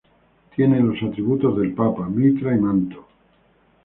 Tiene los atributos del Papa: mitra y manto.